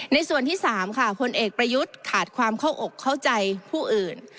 ในส่วนที่๓ค่ะพลเอกประยุทธ์ขาดความเข้าอกเข้าใจผู้อื่น